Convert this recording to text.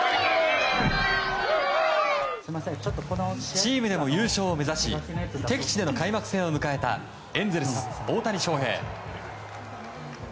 チームでの優勝を目指し敵地での開幕戦を迎えたエンゼルス、大谷翔平。